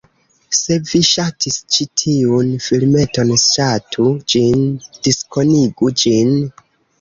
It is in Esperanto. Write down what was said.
Se vi ŝatis ĉi tiun filmeton, ŝatu ĝin, diskonigu ĝin